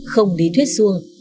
không lý thuyết xuông